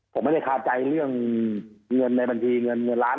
ผมไม่ได้คาใจเรื่องเงินในบัญชีเงินเงินล้าน